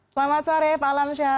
selamat sore pak alam syah